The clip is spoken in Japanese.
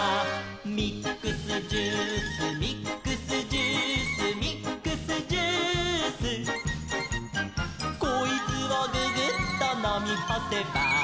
「ミックスジュースミックスジュース」「ミックスジュース」「こいつをググッとのみほせば」